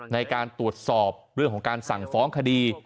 ในการตรวจสอบเรื่องของการสั่งฟ้องคดี